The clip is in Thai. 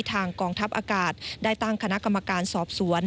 กองทัพอากาศได้ตั้งคณะกรรมการสอบสวน